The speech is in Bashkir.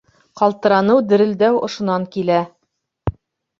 Ҡалтыраныу, дерелдәү ошонан килә.